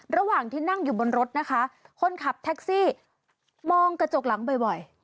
ระหว่างที่นั่งอยู่บนรถนะคะคนขับแท็กซี่มองกระจกหลังบ่อย